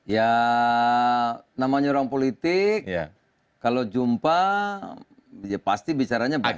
ya namanya orang politik kalau jumpa ya pasti bicaranya baik